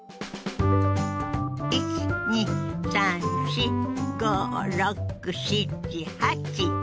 １２３４５６７８。